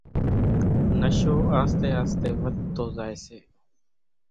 نشو آستي آستي وڌتو زائي سي،